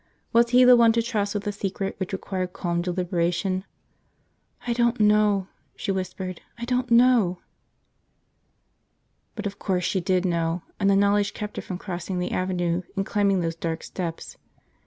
Was he the one to trust with a secret which required calm deliberation? "I don't know!" she whispered. "I don't know!" But of course she did know, and the knowledge kept her from crossing the avenue and climbing those dark steps.